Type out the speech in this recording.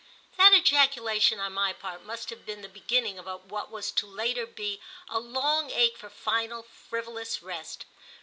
That ejaculation on my part must have been the beginning of what was to be later a long ache for final frivolous rest.